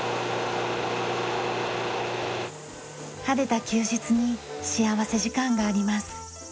晴れた休日に幸福時間があります。